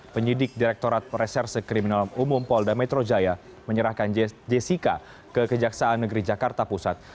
penyidik direktorat reserse kriminal umum polda metro jaya menyerahkan jessica ke kejaksaan negeri jakarta pusat